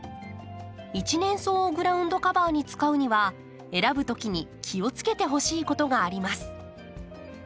一年草をグラウンドカバーに使うには選ぶときに気をつけてほしいことがあります。